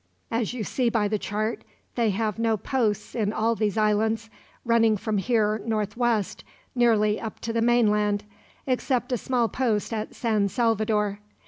As you see by the chart, they have no posts in all these islands, running from here northwest, nearly up to the mainland; except a small post at San Salvador.